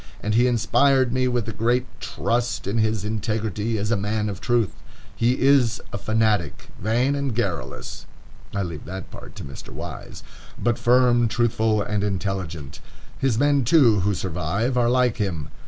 And he inspired me with great trust in his integrity as a man of truth. He is a fanatic, vain and garrulous," (I leave that part to Mr. Wise) "but firm, truthful, and intelligent. His men, too, who survive, are like him....